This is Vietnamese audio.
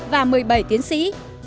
và một mươi bảy tiến sĩ